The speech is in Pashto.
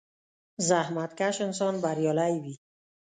• زحمتکش انسان بریالی وي.